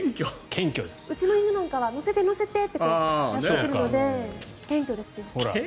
うちの犬なんかは乗せて、乗せてって来るので謙虚ですよ。